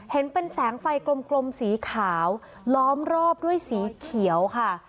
เห็นเป็นแสงไฟกลมสีขาวล้อมรอบด้วยสีเขียวค่ะ